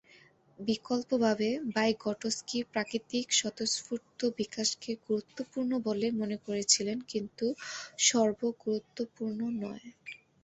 বিকল্পভাবে, ভাইগটস্কি প্রাকৃতিক, স্বতঃস্ফূর্ত বিকাশকে গুরুত্বপূর্ণ বলে মনে করেছিলেন, কিন্তু সর্ব-গুরুত্বপূর্ণ নয়।